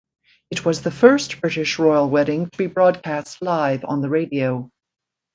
It was the first British royal wedding to be broadcast live on the radio.